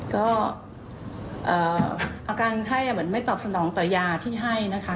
ก็อาการไข้เหมือนไม่ตอบสนองต่อยาที่ให้นะคะ